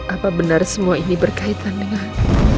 apa benar semua ini berkaitan dengan